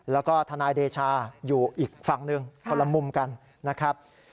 แล้วก็ทนายเดชาอยู่อีกฝั่งหนึ่งคนละมุมกันนะครับ